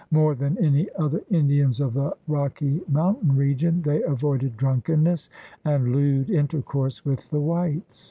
More than any other Indians of the Rocky Mountain region, they avoided drunkenness and lewd intercourse with the whites.